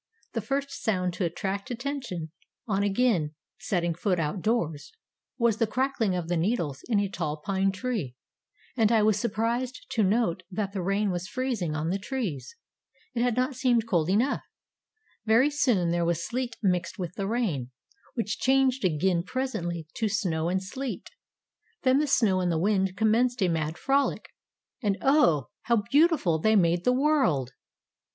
The first sound to attract attention, on again setting foot out doors, was the crackling of the needles in a tall pine tree, and I was surprised to note that the rain was freezing on the trees. It had not seemed cold enough. Very soon there was sleet mixed with the rain, which changed again presently to snow and sleet. Then the snow and the wind commenced a mad frolic, and Oh! how beautiful they made the world!